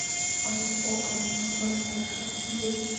آیا اوکاناګن دره شراب نه جوړوي؟